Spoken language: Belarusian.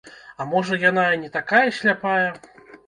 А можа яна і не такая сляпая?